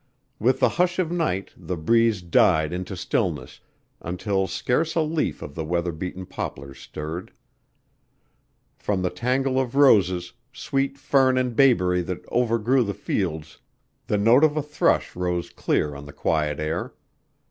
With the hush of night the breeze died into stillness until scarce a leaf of the weather beaten poplars stirred. From the tangle of roses, sweet fern and bayberry that overgrew the fields the note of a thrush rose clear on the quiet air.